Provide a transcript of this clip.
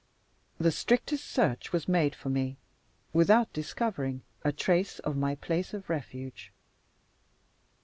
The strictest search was made for me without discovering a trace of my place of refuge.